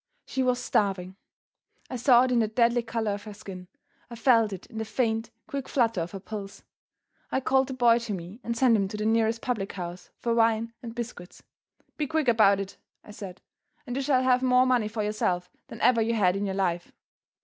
She was starving! I saw it in the deadly color of her skin; I felt it in the faint, quick flutter of her pulse. I called the boy to me, and sent him to the nearest public house for wine and biscuits. "Be quick about it," I said; "and you shall have more money for yourself than ever you had in your life!"